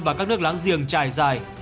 và các nước láng giềng trải dài